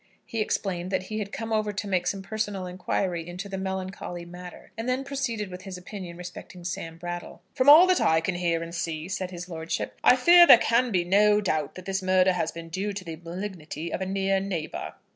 He explained that he had come over to make some personal inquiry into the melancholy matter, and then proceeded with his opinion respecting Sam Brattle. "From all that I can hear and see," said his lordship, "I fear there can be no doubt that this murder has been due to the malignity of a near neighbour."